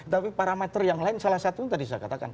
tapi parameter yang lain salah satunya tadi saya katakan